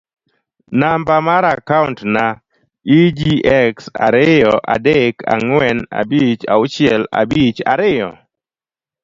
namba mar akaont na: egx ariyo adek ang'wen abich achiel abich ariyo